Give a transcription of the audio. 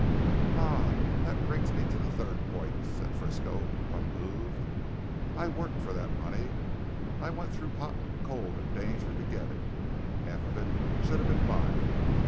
"Ah! That brings me to the third point," said Frisco unmoved, "I worked for that money. I went through hot and cold and danger to get it. Half of it should have been mine.